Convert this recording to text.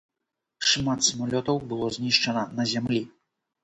Шмат самалётаў было знішчана на зямлі.